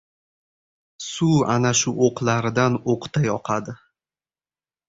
Suv ana shu o‘qariqdan o‘qday oqadi.